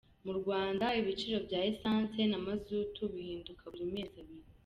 Mu Rwanda ibiciro bya Essance na Mazutu bihinduka buri mezi abiri.